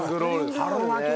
春巻き！